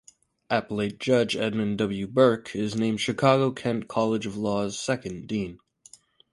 Appellate Judge Edmund W. Burke is named Chicago-Kent College of Law's second dean.